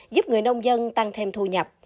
giúp người nông dân tăng thêm thu nhập